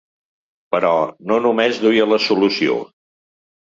Però no només duia la solució.